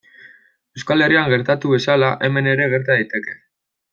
Euskal Herrian gertatu bezala, hemen ere gerta daiteke.